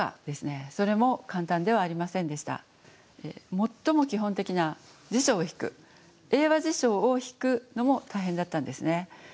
最も基本的な辞書を引く英和辞書を引くのも大変だったんですね。